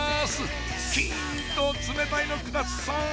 キンと冷たいのください！